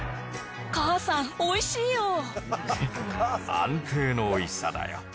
安定のおいしさだよ。